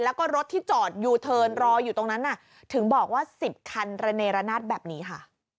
แล้วก็รถที่จอดยูเทิร์นรออยู่ตรงนั้นถึงบอกว่า๑๐คันระเนรนาศแบบนี้ค่ะ